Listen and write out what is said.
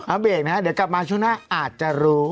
เอาเบรกนะฮะเดี๋ยวกลับมาช่วงหน้าอาจจะรู้